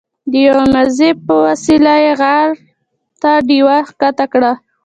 د یوه مزي په وسیله یې غار ته ډیوه ښکته کړه.